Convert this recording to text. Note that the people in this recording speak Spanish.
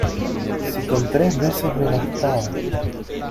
¡ si con tres meses me bastaba!